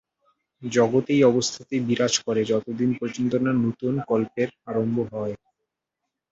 জগৎ এই অবস্থাতেই বিরাজ করে, যতদিন পর্যন্ত না নূতন কল্পের আরম্ভ হয়।